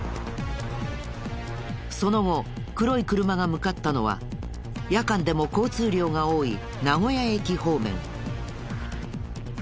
その後黒い車が向かったのは夜間でも交通量が多い名古屋駅方面。